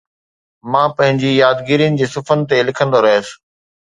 مان پنهنجي يادگيرين جي صفحن تي لکندو رهيس